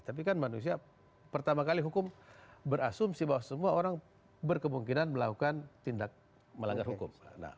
tapi kan manusia pertama kali hukum berasumsi bahwa semua orang berkemungkinan melakukan tindak melanggar hukum